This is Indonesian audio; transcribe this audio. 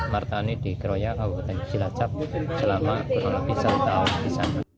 martani di keroyak obat obatan jiwa selama kurang lebih satu tahun